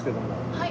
はい。